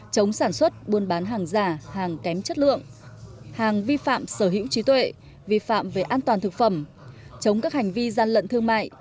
chống sản xuất buôn bán hàng giả hàng kém chất lượng hàng vi phạm sở hữu trí tuệ vi phạm về an toàn thực phẩm chống các hành vi gian lận thương mại